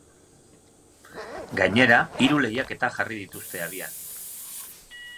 Gainera, hiru lehiaketa jarri dituzte abian.